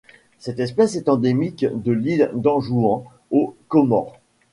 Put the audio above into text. Cette espèce est endémique de l'île d'Anjouan aux Comores.